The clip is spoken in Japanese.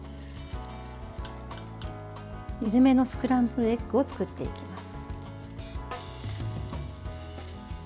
緩めのスクランブルエッグを作っていきます。